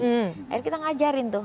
akhirnya kita ngajarin tuh